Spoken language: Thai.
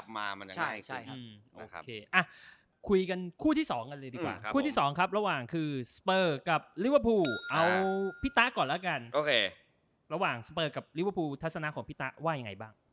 มกับระหว่างคือสเปรอกับลิเวอร์พูร์เอาพี่ต้าก่อนละกันระหว่างสเปรอกับลิเวอร์พูร์ทัศนาของพี่ต้าว่าอย่างไรบ้าง